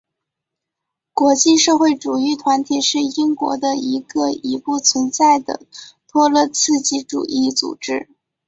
国际社会主义团体是英国的一个已不存在的托洛茨基主义组织。